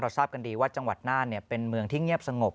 ทราบกันดีว่าจังหวัดน่านเป็นเมืองที่เงียบสงบ